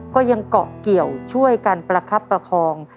ก็ยังเกาะเกี่ยวช่วยกันประคับประคอง